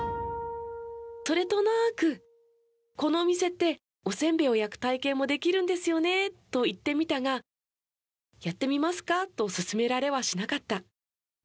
それとなくこのお店っておせんべいを焼く体験もできるんですよね？と言ってみたがやってみますか？と勧められはしなかった。